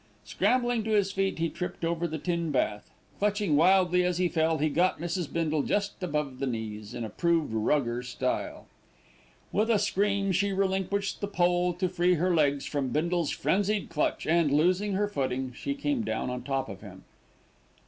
Scrambling to his feet, he tripped over the tin bath. Clutching wildly as he fell, he got Mrs. Bindle just above the knees in approved rugger style. With a scream she relinquished the pole to free her legs from Bindle's frenzied clutch and, losing her footing, she came down on top of him.